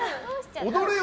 踊れよ！